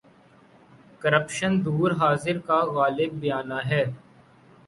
Corruption دور حاضر کا غالب بیانیہ ہے۔